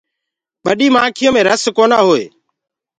ٻڏي مآکيو مي رس کونآ هوئي۔